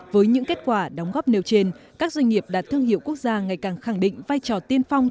với những kết quả đóng góp nêu trên các doanh nghiệp đạt thương hiệu quốc gia ngày càng khẳng định vai trò tiên phong